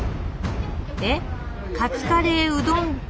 えっ⁉「カツカレーうどん丼」？